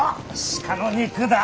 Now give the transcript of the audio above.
鹿の肉だ。